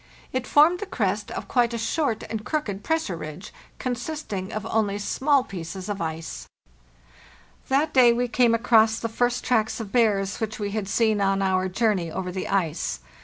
It formed the crest of quite a short and crooked pressure ridge, consisting of only small pieces of jeer That day we came across the first tracks of bears which we had seen on our journey over the ice.